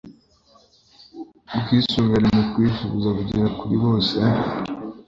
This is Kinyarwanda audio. Ubwisungane mukwivuza bugera kuribose